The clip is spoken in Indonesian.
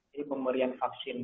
jadi pemberian vaksin